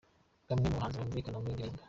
Bamwe mu bahanzi bumvikana muri iyi ndirimbo.